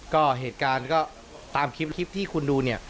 ก็เหตุการณ์ตามคลิปที่คุณดู